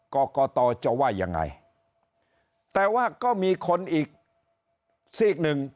กรกตจะว่ายังไงแต่ว่าก็มีคนอีกซีกหนึ่ง